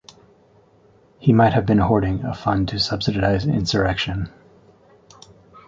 He might have been hoarding a fund to subsidize insurrection.